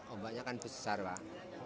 obaknya kan besar lah